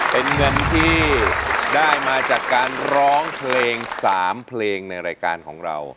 เป็นเงินที่ได้มาจากการร้องเพลง๓เพลงในรายการของเรา